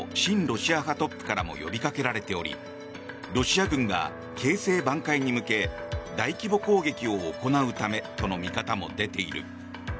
ロシア派トップからも呼びかけられておりロシア軍が形勢ばん回に向け大規模攻撃を行うためとの見方も出ている。